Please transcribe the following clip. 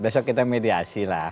besok kita mediasi lah